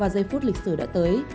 và giây phút lịch sử đã tới